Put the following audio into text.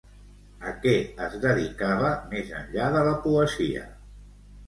A què es dedicava, més enllà de la poesia?